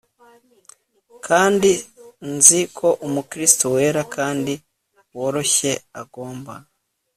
Kandi nzi ko umukristo wera kandi woroshye agomba